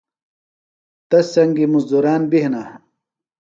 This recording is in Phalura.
تس سنگیۡ مُزدُران بیۡ ہِنہ۔